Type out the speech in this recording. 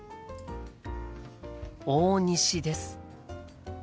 大西です。